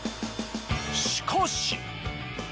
しかし。